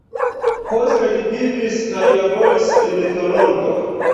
Poste li vivis kaj laboris en Toronto.